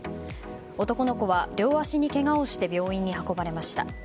男の子は両足にけがをして病院に運ばれました。